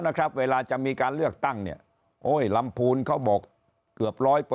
นะครับเวลาจะมีการเลือกตั้งเนี่ยโอ้ยลำพูนเขาบอกเกือบ๑๐๐